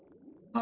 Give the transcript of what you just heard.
あ！